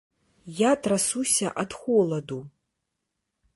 Я трасуся ад холаду.